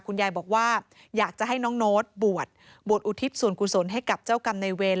คุณยายบอกว่าอยากจะให้น้องโน้ตบวชบวชอุทิศส่วนกุศลให้กับเจ้ากรรมในเวร